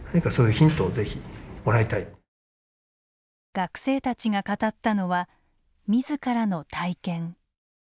学生たちが語ったのは自らの体験。